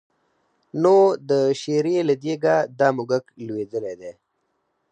نو د شېرې له دېګه دا موږک لوېدلی دی.